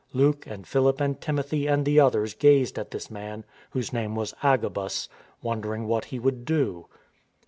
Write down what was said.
Luke and Philip and Timothy and the others gazed at this man, whose name was Agabus, wondering what he would do.